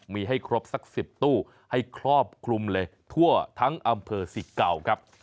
มีให้ครบสัก๑๐ตู้ให้ครอบคลุมเลยทั่วทั้งอำเภอสิเก่าครับ